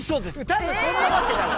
多分こんなわけない。